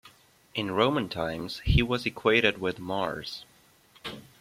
In Roman times he was equated with Mars.